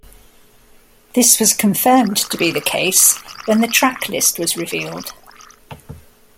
This was confirmed to be the case when the track list was revealed.